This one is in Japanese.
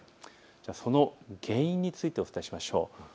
その原因についてお伝えしましょう。